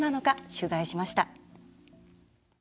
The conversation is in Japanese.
取材しました。